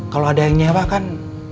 kalau ada yang nyewa kan